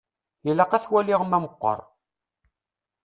Ilaq ad t-waliɣ ma meqqer.